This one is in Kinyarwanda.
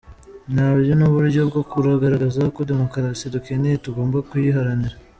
Nabyo n’uburyo bwo kugaragaza ko demukarasi dukeneye tugomba kuyiharanira.